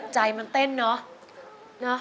ใจมันเต้นเนอะ